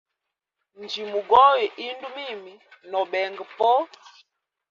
Njimugoya indu mimi nobenga po.